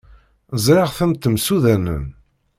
Ẓriɣ-ten ttemsudanen.